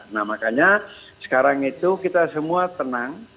nah makanya sekarang itu kita semua tenang